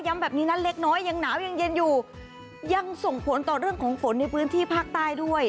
แบบนี้นั้นเล็กน้อยยังหนาวยังเย็นอยู่ยังส่งผลต่อเรื่องของฝนในพื้นที่ภาคใต้ด้วย